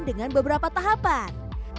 dengan beberapa tahapan